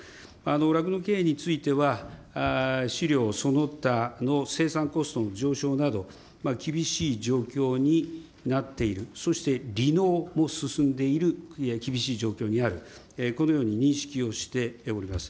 酪農経営については、飼料その他の生産コストの上昇など、厳しい状況になっている、そして離農も進んでいる厳しい状況にある、このように認識をしております。